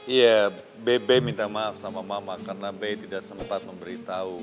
iya bebe minta maaf sama mama karena bayi tidak sempat memberitahu